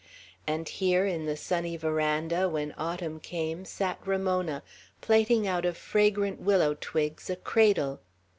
And here, in the sunny veranda, when autumn came, sat Ramona, plaiting out of fragrant willow twigs a cradle.